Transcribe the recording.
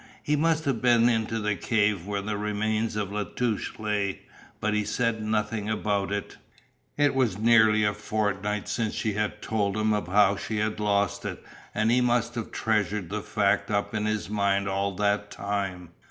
He must have been into the cave where the remains of La Touche lay, but he said nothing about that. It was nearly a fortnight since she had told him of how she had lost it and he must have treasured the fact up in his mind all that time.